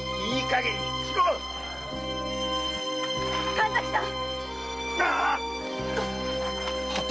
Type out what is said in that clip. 神崎さん！